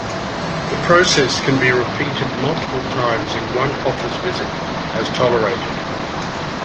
The process can be repeated multiple times in one office visit, as tolerated.